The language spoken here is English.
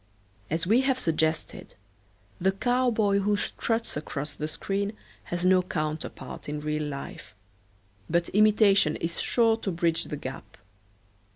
As we have suggested, the cowboy who struts across the screen has no counterpart in real life, but imitation is sure to bridge the gap.